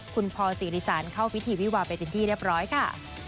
คุณพอสิริสารเข้าพิธีวิวาไปเป็นที่เรียบร้อยค่ะ